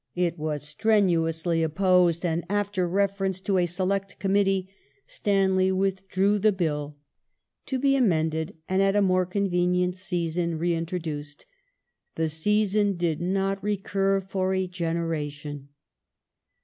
It was strenuously opposed and, after reference to a Select Committee, Stanley withdrew the Bill, to be amended and at a more convenient season reintroduced. The season did not recur for a generation.